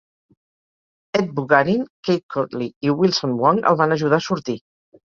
Ed Bugarin, Cade Courtley i Wilson Wong el van ajudar a sortir.